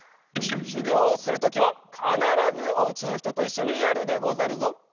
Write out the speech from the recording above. しゅぎょうをするときはかならずおうちのひとといっしょにやるでござるぞ。